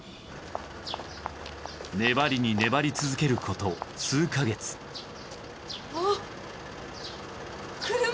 粘りに粘り続ける事数か月ああっ。